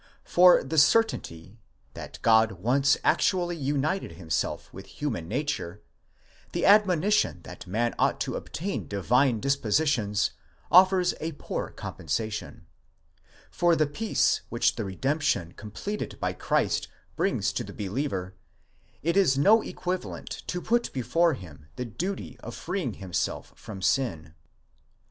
For the cer tainty, that God once actually united himself with human nature, the admoni tion that man ought to obtain divine dispositions, offers a poor compensation: for the peace which the redemption completed by Christ brings to the be liever, it is no equivalent to put before him the duty of freeing himself from sin.